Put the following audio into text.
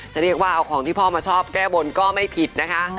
จะเรียกว่าเอาของที่พ่อมาชอบแก้บนก็ไม่ผิดนะคะ